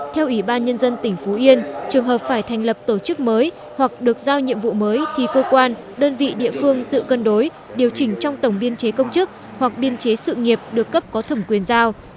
theo ủy ban nhân dân tỉnh phú yên trường hợp phải thành lập tổ chức mới hoặc được giao nhiệm vụ mới thì cơ quan đơn vị địa phương tự cân đối điều chỉnh trong tổng biên chế công chức hoặc biên chế sự nghiệp được cấp có thẩm quyền giao